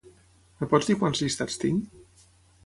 Em pots dir quants llistats tinc?